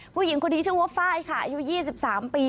ผู้หญิงคนนี้ชื่อว่าไฟล์ค่ะอายุ๒๓ปี